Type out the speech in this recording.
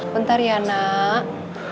bentar ya nak